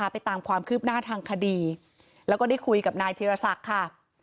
ไปตามความคืบหน้าทางคดีแล้วก็ได้คุยกับนายธีรศักดิ์ค่ะ